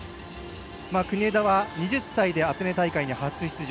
国枝は２０歳でアテネ大会に初出場。